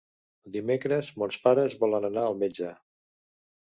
Dimecres mons pares volen anar al metge.